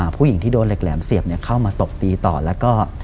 ผู้หญิงที่โดนเหล็กแหลมเสียบเข้ามาตบตีต่อแล้วก็